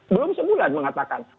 belum sebulan mengatakan